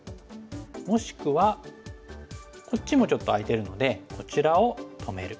もしくはこっちもちょっと空いてるのでこちらを止める。